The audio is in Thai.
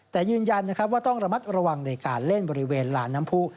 แต่ยืนยันนะครับว่าต้องระมัดระวังในการเล่นบริเวณลานน้ำผู้